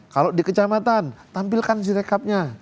kalau di kecamatan tampilkan si rekapnya